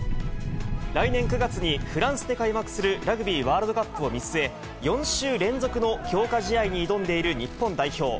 来年９月にフランスで開幕するラグビーワールドカップを見据え、４週連続の強化試合に挑んでいる日本代表。